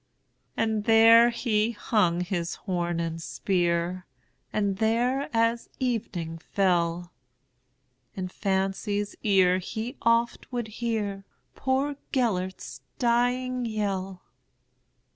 And there he hung his horn and spear, And there, as evening fell, In fancy's ear he oft would hearPoor Gêlert's dying yell.